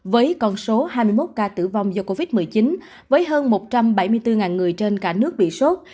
với con số hai mươi một ca tử vong do covid một mươi chín với hơn một trăm bảy mươi bốn người trên cả nước bị sốt